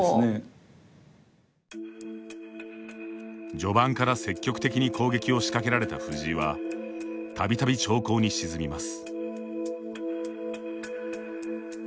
序盤から積極的に攻撃を仕掛けられた藤井はたびたび長考に沈みます。